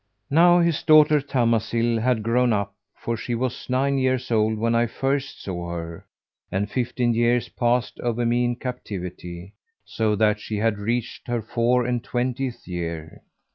Now his daughter Tamasil had grown up, for she was nine years old when I first saw her, and fifteen years passed over me in captivity, so that she had reached her four and twentieth year.